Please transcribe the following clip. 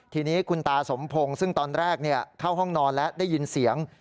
ทีนี้คุณตาสมพงศ์ซึ่งตอนแรกเข้าห้องนอนแล้วได้ยินเสียง